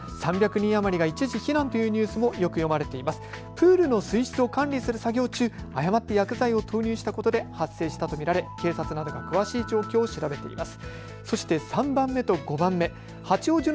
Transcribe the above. プールの水質を管理する作業中、誤って薬剤を投入したことで発生したと見られ警察など詳しい状況を調べています。